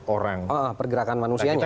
orang pergerakan manusianya